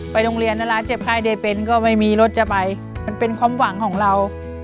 โรงเรียนเวลาเจ็บไข้ได้เป็นก็ไม่มีรถจะไปมันเป็นความหวังของเรา